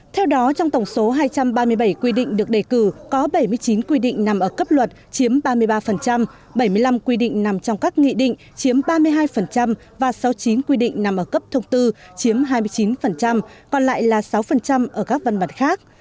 theo đó trong tổng số hai trăm ba mươi bảy quy định được đề cử có bảy mươi chín quy định nằm ở cấp luật chiếm ba mươi ba bảy mươi năm quy định nằm trong các nghị định chiếm ba mươi hai và sáu mươi chín quy định nằm ở cấp thông tư chiếm hai mươi chín còn lại là sáu ở các văn bản khác